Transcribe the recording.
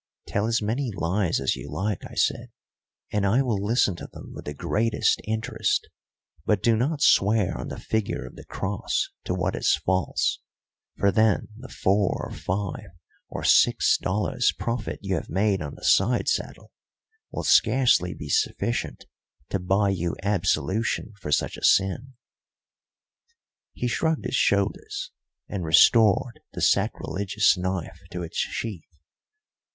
"Tell as many lies as you like," I said, "and I will listen to them with the greatest interest; but do not swear on the figure of the cross to what is false, for then the four or five or six dollars profit you have made on the side saddle will scarcely be sufficient to buy you absolution for such a sin." He shrugged his shoulders and restored the sacrilegious knife to its sheath.